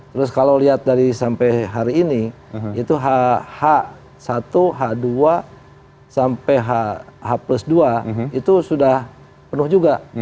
terus kalau lihat dari sampai hari ini itu h satu h dua sampai h plus dua itu sudah penuh juga